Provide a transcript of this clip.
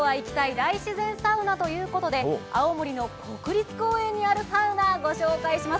大自然サウナ」ということで青森の国立公園にあるサウナをご紹介します。